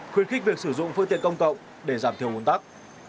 khuyến khích việc sử dụng phương tiện công cộng để giảm thiếu vốn tắc